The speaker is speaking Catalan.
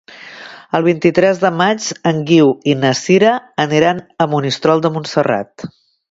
El vint-i-tres de maig en Guiu i na Sira aniran a Monistrol de Montserrat.